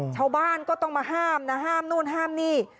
ชาวบ้านก็ต้องมาห้ามนะห้ามนู่นห้ามนี่